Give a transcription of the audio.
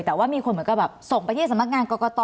แต่ว่ามีคนเหมือนกับแบบส่งไปที่สำนักงานกรกต